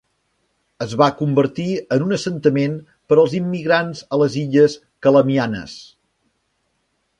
Es va convertir en un assentament per als immigrants a les illes Calamianes.